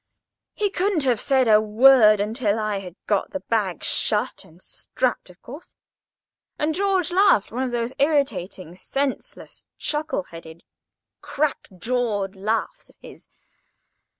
He couldn't have said a word until I'd got the bag shut and strapped, of course. And George laughed—one of those irritating, senseless, chuckle headed, crack jawed laughs of his.